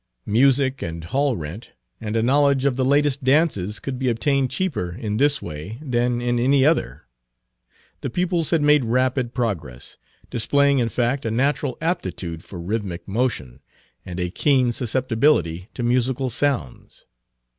Music and hall rent and a knowledge of the latest dances could be obtained cheaper in this way than in any other. The pupils had made rapid progress, displaying in fact a natural aptitude for rhythmic motion, and a keen susceptibility to musical sounds.